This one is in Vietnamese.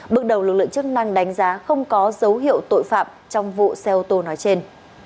bước đầu lực lượng chức năng đánh giá không có dấu hiệu tội phạm trong vụ xe ô tô nói trên